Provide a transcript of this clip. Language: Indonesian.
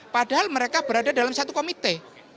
padahal mereka berada dalam satu komite